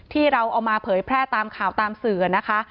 ที่เราเอามาเผยแพร่ตามข่าวตามสื่อนะคะ